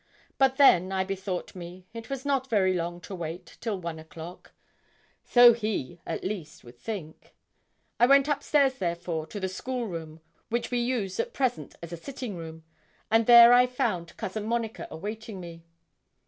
But then, I bethought me, it was not very long to wait till one o'clock so he, at least, would think. I went up stairs, therefore, to the 'school room,' which we used at present as a sitting room, and there I found Cousin Monica awaiting me.